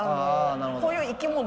こういう生き物。